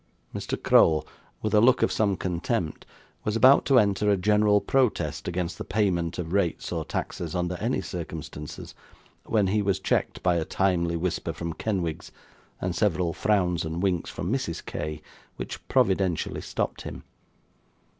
Mr. Crowl, with a look of some contempt, was about to enter a general protest against the payment of rates or taxes, under any circumstances, when he was checked by a timely whisper from Kenwigs, and several frowns and winks from Mrs. K., which providentially stopped him.